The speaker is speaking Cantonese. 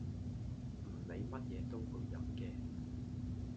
唔理乜嘢都去飲嘅